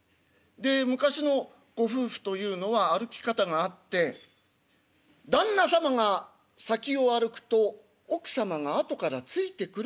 で昔のご夫婦というのは歩き方があって旦那様が先を歩くと奥様があとからついてくる。